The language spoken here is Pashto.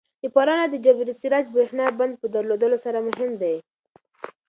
پروان ولایت د جبل السراج د برېښنا بند په درلودلو سره مهم دی.